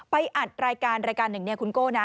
อัดรายการรายการหนึ่งเนี่ยคุณโก้นะ